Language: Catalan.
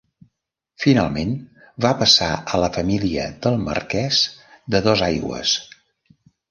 Finalment va passar a la família del Marquès de Dosaigües.